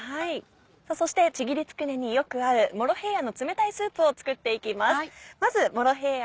さぁそしてちぎりつくねによく合うモロヘイヤの冷たいスープを作っていきます。